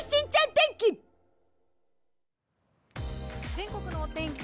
全国のお天気